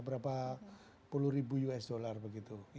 berapa puluh ribu us dollar begitu